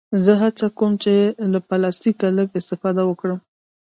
زه هڅه کوم چې له پلاستيکه لږ استفاده وکړم.